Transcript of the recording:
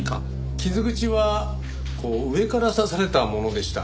傷口はこう上から刺されたものでした。